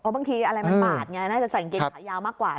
บางทีอะไรเป็นปัดอย่างไรใส่กางเกงขายาวมากกว่า